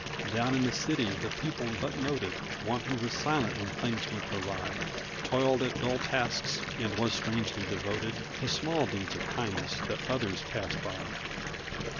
Down in the city the people but noted One who was silent when things went awry, Toiled at dull tasks, and was strangely devoted To small deeds of kindness that others passed by.